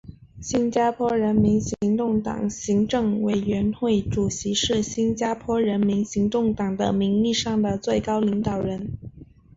新加坡人民行动党行政委员会主席是新加坡人民行动党的名义上的最高领导人。